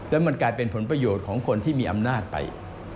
แล้วมันกลายเป็นผลประโยชน์ของคนที่มีอำนาจไป